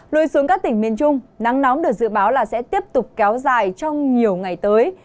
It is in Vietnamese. lùi xuống các tỉnh miền trung nắng nóng được dự báo là sẽ tiếp tục kéo dài trong nhiều ngày tới